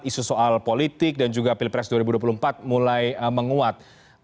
isu soal politik dan juga pilpres dua ribu dua puluh empat mulai menguat